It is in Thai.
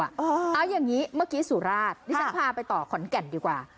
เอาอย่างนี้เมื่อกี้สุราชดิฉันพาไปต่อขอนแก่นดีกว่า